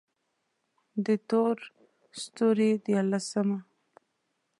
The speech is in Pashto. د تور ستوري ديارلسمه: